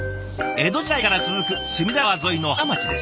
江戸時代から続く隅田川沿いの花街です。